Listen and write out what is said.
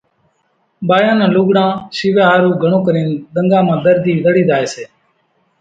ٻايان نان لوڳڙان شيويا ۿارُو گھڻون ڪرين ۮنڳا مان ۮرزي زڙي زائي سي